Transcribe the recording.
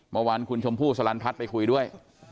เมื่อวานคุณชมพู่สลันพัฒน์ไปคุยด้วย